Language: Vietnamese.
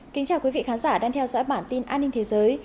kính chào quý vị khán giả đang theo dõi bản tin an ninh thế giới